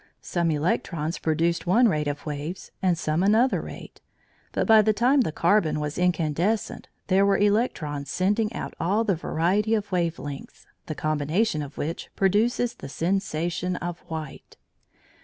Some electrons produced one rate of waves, and some another rate, but by the time the carbon was incandescent there were electrons sending out all the variety of wave lengths, the combination of which produces the sensation of white.